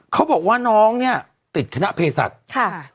เขาบอกว่าน้องเนี่ยติดคณะเพศัทธ์